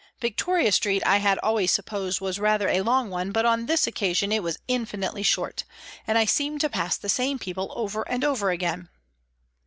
Victoria Street I had always supposed was rather a long one, but on this occasion it was infinitely short, and I seemed to pass the same people over and over again.